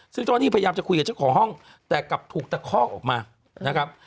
ซึ่งตอนนี้พยายามจะคุยกับชั้นของห้องแต่กลับถูกตะคอกออกมา